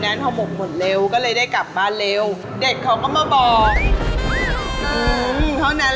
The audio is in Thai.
รับครึ่งหนึ่งไม่รับครึ่งหนึ่ง